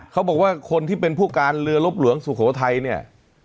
เขาบอกว่าคนที่เป็นผู้การเรือลบหลวงสุโขทัยเนี่ย